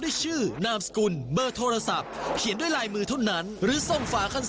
แล้วผู้โทษดีได้แจก